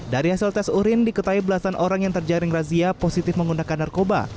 dari hasil tes urin diketahui belasan orang yang terjaring razia positif menggunakan narkoba